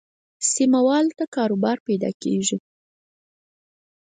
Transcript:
سیمه والو ته کاروبار پیدا کېږي.